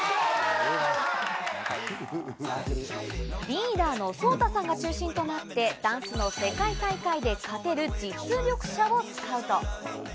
リーダーのＳｏｔａさんが中心となってダンスの世界大会で勝てる実力者をスカウト。